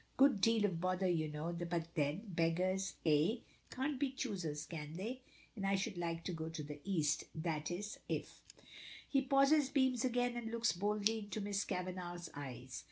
Good deal of bother, you know, but then, beggars eh? can't be choosers, can they? And I should like to go to the East; that is, if " He pauses, beams again, and looks boldly into Miss Kavanagh's eyes.